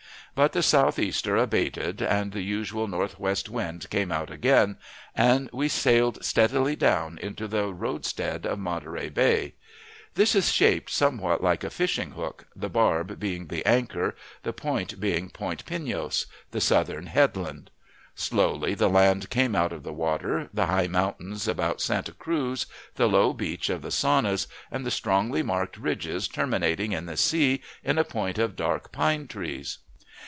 But the southeaster abated, and the usual northwest wind came out again, and we sailed steadily down into the roadstead of Monterey Bay. This is shaped somewhat like a fish hook, the barb being the harbor, the point being Point Pinos, the southern headland. Slowly the land came out of the water, the high mountains about Santa Cruz, the low beach of the Saunas, and the strongly marked ridge terminating in the sea in a point of dark pine trees.